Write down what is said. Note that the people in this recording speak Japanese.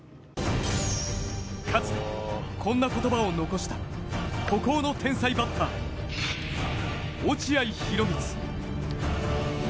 かつて、こんな言葉を残した孤高の天才バッター・落合博満。